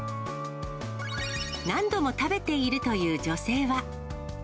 何度も食べているという女性は。